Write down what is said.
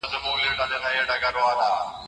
د انارګل مخ د لمر له امله توربخون شوی و.